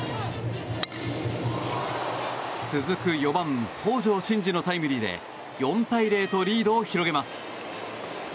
続く４番北條慎治のタイムリーで４対０とリードを広げます。